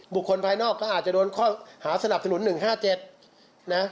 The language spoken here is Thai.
บุคคลภายนอกก็อาจจะโดนหาสนับสนุน๑๕๗